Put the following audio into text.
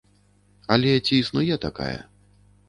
Але ці існуе такая?